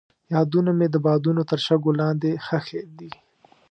یادونه مې د بادونو تر شګو لاندې ښخې دي.